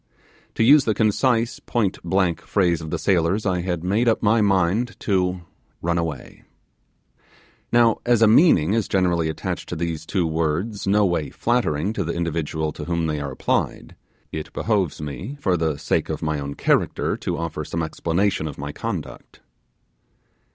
To use the concise, pointblank phrase of the sailors. I had made up my mind to 'run away'. Now as a meaning is generally attached to these two words no way flattering to the individual to whom they are applied, it behoves me, for the sake of my own character, to offer some explanation of my conduct.